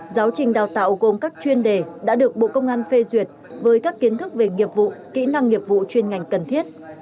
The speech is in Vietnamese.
giáo trình đào tạo gồm các chuyên đề đã được bộ công an phê duyệt với các kiến thức về nghiệp vụ kỹ năng nghiệp vụ chuyên ngành cần thiết